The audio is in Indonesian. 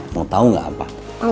mau tau gak ampa